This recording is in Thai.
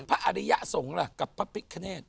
พระอริยสงฆ์กับพระพิกขนาด